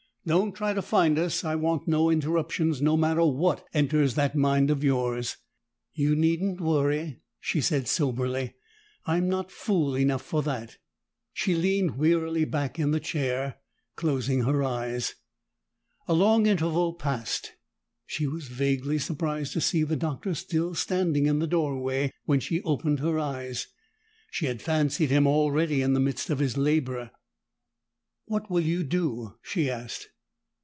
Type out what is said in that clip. "Don't try to find us; I want no interruptions, no matter what enters that mind of yours!" "You needn't worry," she said soberly. "I'm not fool enough for that." She leaned wearily back in the chair, closing her eyes. A long interval passed; she was vaguely surprised to see the Doctor still standing in the doorway when she opened her eyes. She had fancied him already in the midst of his labor. "What will you do?" she asked.